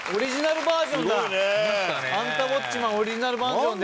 『アンタウォッチマン！』オリジナルバージョンで。